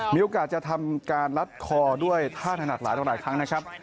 มีโอกาสจะทำการลัดคอด้วยท่าถนัดหลายต่อหลายครั้งนะครับ